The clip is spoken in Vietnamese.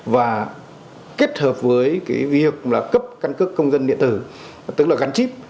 và kết hợp với việc cấp căn cước công dân điện tử tức là gắn chip